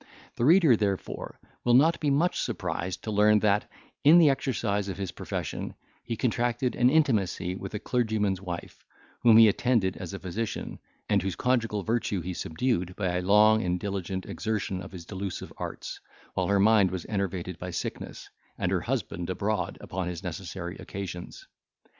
The reader, therefore, will not be much surprised to learn, that, in the exercise of his profession, he contracted an intimacy with a clergyman's wife, whom he attended as a physician, and whose conjugal virtue he subdued by a long and diligent exertion of his delusive arts, while her mind was enervated by sickness, and her husband abroad upon his necessary occasions.